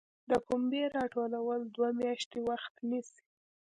د پنبې راټولول دوه میاشتې وخت نیسي.